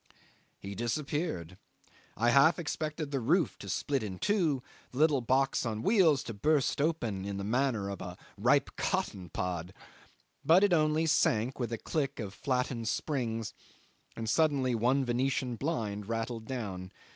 He disappeared. I half expected the roof to split in two, the little box on wheels to burst open in the manner of a ripe cotton pod but it only sank with a click of flattened springs, and suddenly one venetian blind rattled down.